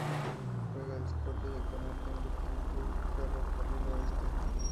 Juega de escolta y actualmente milita en Club Ferro Carril Oeste.